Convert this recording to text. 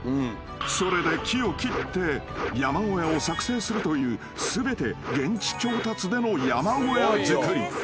それで木を切って山小屋を作成するという全て現地調達での山小屋造り］